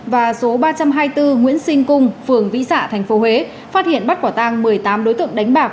và số ba trăm hai mươi bốn nguyễn sinh cung phường vĩ dạ tp huế phát hiện bắt quả tang một mươi tám đối tượng đánh bạc